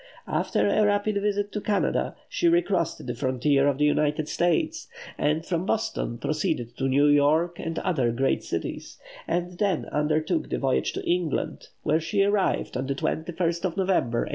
After a rapid visit to Canada, she recrossed the frontier of the United States; and from Boston proceeded to New York and other great cities, and then undertook the voyage to England, where she arrived on the 21st of November, 1854.